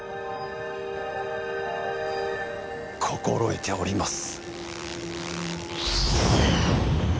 心得ております。